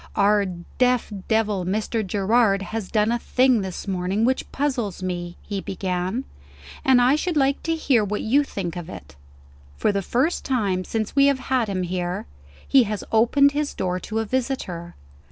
"Our deaf devil, Mr. Gerard, has done a thing this morning which puzzles me," he began; "and I should like to hear what you think of it. For the first time since we have had him here, he has opened his door to a visitor.